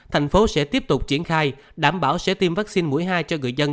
thành phố sẽ tiếp tục triển khai đảm bảo sẽ tiêm vaccine mũi hai cho người dân